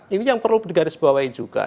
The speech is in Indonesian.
ini yang perlu digaris bawahi juga